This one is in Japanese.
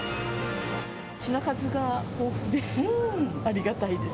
品数が豊富で、ありがたいです。